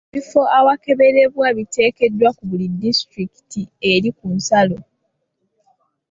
Ebifo awakeberebwa biteekeddwa ku buli disitulikiti eri ku nsalo.